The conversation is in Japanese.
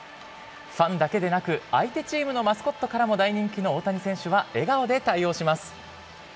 ファンだけでなく、相手チームのマスコットからも大人気の大谷選手は笑顔で対応します。